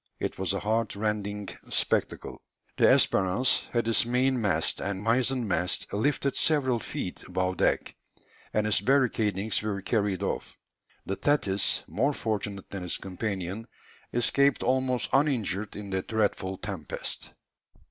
It was a heart rending spectacle! The Espérance had its main mast and mizen mast lifted several feet above deck, and its barricadings were carried off; the Thetis, more fortunate than its companion, escaped almost uninjured in the dreadful tempest.